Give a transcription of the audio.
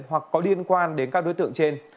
hoặc có liên quan đến các đối tượng trên